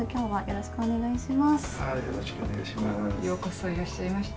よろしくお願いします。